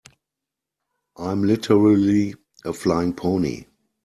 I'm literally a flying pony.